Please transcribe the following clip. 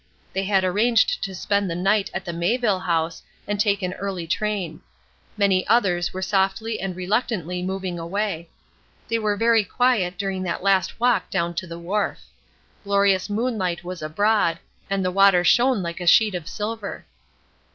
They had arranged to spend the night at the Mayville House, and take an early train. Many others were softly and reluctantly moving away. They were very quiet during that last walk down to the wharf. Glorious moonlight was abroad, and the water shone like a sheet of silver.